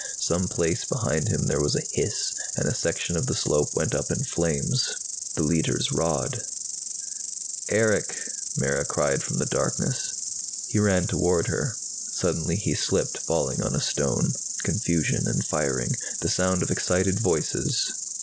Someplace behind him there was a hiss, and a section of the slope went up in flames. The Leiter's rod "Erick," Mara cried from the darkness. He ran toward her. Suddenly he slipped, falling on a stone. Confusion and firing. The sound of excited voices.